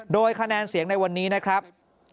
โดยคะแนนเสียงในวันนี้นะครับ